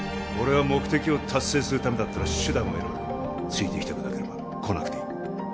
俺は目的を達成するためだったら手段を選ばないついていきたくなければ来なくていい